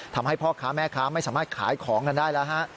ทำให้พ่อค้าแม่ค้าไม่สามารถขายของกันได้แล้วฮะ